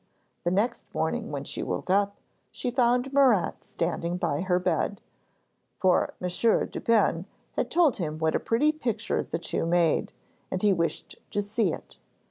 The next morning when she woke up, she found Murat standing by her bed, for M. Dupin had told him what a pretty picture the two made, and he wished to see it.